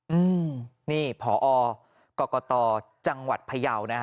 อืมนี่ผอกรกตจังหวัดพยาวนะฮะ